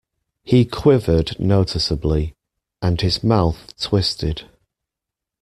He quivered noticeably, and his mouth twisted.